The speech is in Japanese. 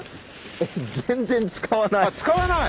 えっ全然使わない。